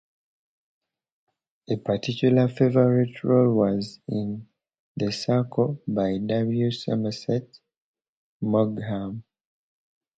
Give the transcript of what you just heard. A particular favourite role was in "The Circle" by W. Somerset Maugham.